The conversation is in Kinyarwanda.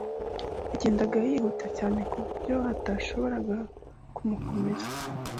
Yagendaga yihuta cyane ku buryo atashoboraga kumukomeza.